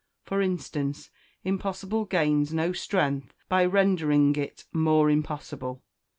For instance, impossible gains no strength by rendering it more impossible.